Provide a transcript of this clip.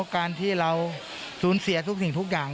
การที่เราสูญเสียทุกอย่าง